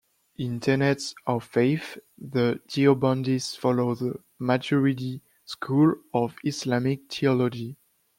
In tenets of faith, the Deobandis follow the Maturidi school of Islamic theology.